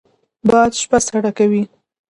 باد شپه سړه کوي